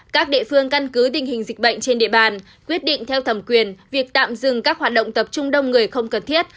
các địa phương căn cứ tình hình dịch bệnh trên địa bàn quyết định theo thẩm quyền việc tạm dừng các hoạt động tập trung đông người không cần thiết